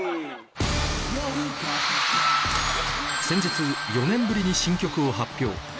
先日４年ぶりに新曲を発表